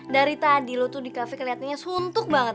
dari tadi lo tuh di cafe keliatannya suntuk banget